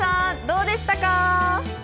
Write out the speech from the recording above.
どうでしたか？